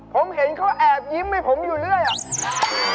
ผมเห็นเขาแอบยิ้มให้ผมอยู่เรื่อยอ่ะ